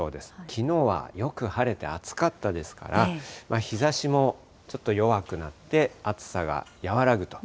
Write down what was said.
きのうはよく晴れて暑かったですから、日ざしもちょっと弱くなって、暑さが和らぐと。